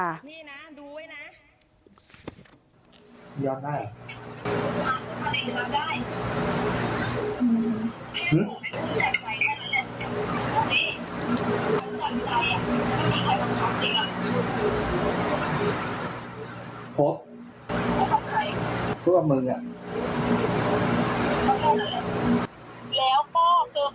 แล้วก็ก็หาตำรวจแล้วนะจ๊ะถ้าคลิปที่ถ่ายไว้ลงเจอดีกับ